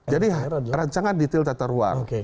jadi rancangan detail tata ruang